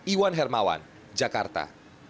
iwan hermawan jakarta